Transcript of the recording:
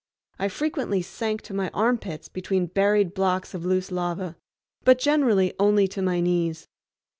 I frequently sank to my armpits between buried blocks of loose lava, but generally only to my knees.